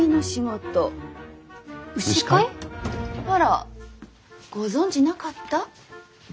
牛飼い？あらご存じなかった？